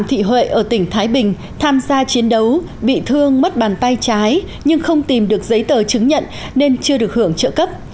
chị huệ ở tỉnh thái bình tham gia chiến đấu bị thương mất bàn tay trái nhưng không tìm được giấy tờ chứng nhận nên chưa được hưởng trợ cấp